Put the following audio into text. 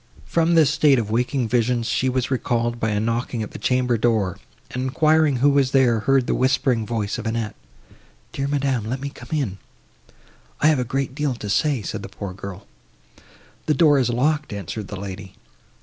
From this state of waking visions she was recalled by a knocking at the chamber door, and, enquiring who was there, heard the whispering voice of Annette. "Dear madam, let me come in, I have a great deal to say," said the poor girl. "The door is locked," answered the lady.